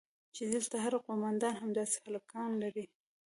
چې دلته هر قومندان همداسې هلکان لري.